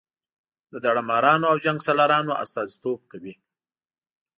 د داړه مارانو او جنګ سالارانو استازي توب کوي.